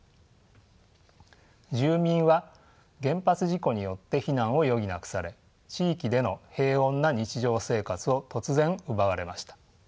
住民は原発事故によって避難を余儀なくされ地域での平穏な日常生活を突然奪われました。